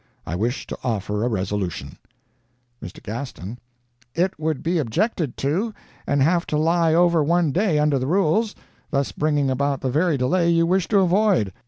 I wish to offer a resolution ' "MR. GASTON: 'It would be objected to, and have to lie over one day under the rules, thus bringing about the very delay you wish to avoid.